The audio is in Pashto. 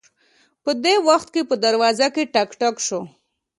په دې وخت کې په دروازه ټک ټک شو